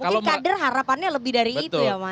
mungkin kader harapannya lebih dari itu ya mas